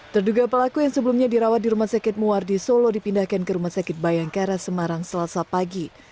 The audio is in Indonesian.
terduga pelaku yang sebelumnya dirawat di rumah sakit muardi solo dipindahkan ke rumah sakit bayangkara semarang selasa pagi